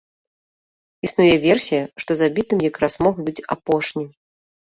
Існуе версія, што забітым якраз мог быць апошні.